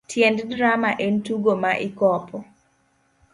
Tiend drama en tugo ma ikopo.